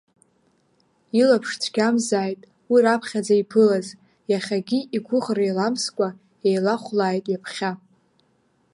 Илаԥш цәгьамзааит уи раԥхьаӡа иԥылаз, иахьагьы игәыӷра еиламскәа еилахәлааит ҩаԥхьа.